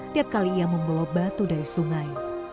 tiap kali ia membawa batu dari sungai